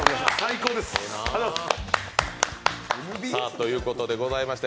ということでございまして